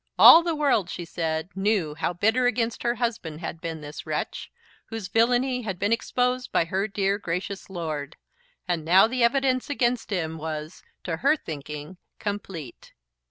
All the world, she said, knew how bitter against her husband had been this wretch, whose villainy had been exposed by her dear, gracious lord; and now the evidence against him was, to her thinking, complete.